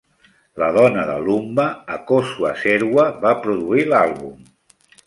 La dona de Lumba, Akosua Serwa, va produir l'àlbum.